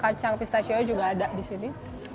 kacang pistachio juga ada di sini